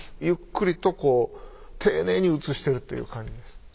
ゆっくりと丁寧に写してるっていう感じです。